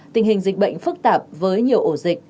tình hình dịch bệnh phức tạp với nhiều ổ dịch